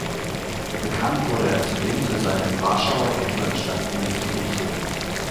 Bekannt wurde er zudem für seine im Warschauer Ghetto entstandenen Gedichte.